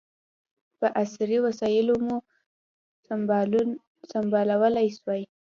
په عصري وسلو مو سمبالولای سوای.